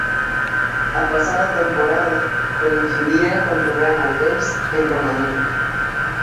A pasada temporada coincidira con Rubén Albés en Romanía.